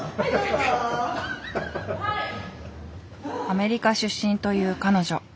アメリカ出身という彼女。